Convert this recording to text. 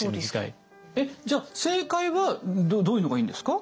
えっじゃあ正解はどういうのがいいんですか？